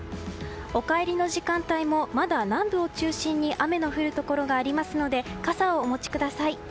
お帰りの時間帯もまだ南部を中心に雨の降るところがありますので傘をお持ちください。